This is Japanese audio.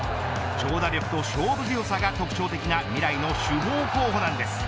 長打力と勝負強さが特徴的な未来の主砲候補なんです。